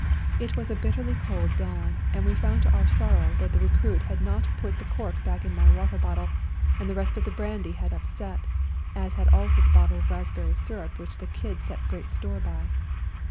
It was a bitterly cold dawn, and we found to our sorrow that the recruit had not put the cork back in my water bottle, and the rest of the brandy had upset, as had also a bottle of raspberry syrup which the Kid set great store by.